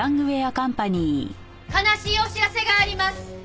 悲しいお知らせがあります！